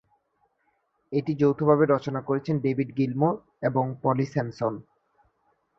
এটি যৌথভাবে রচনা করেছেন ডেভিড গিলমোর এবং পলি স্যামসন।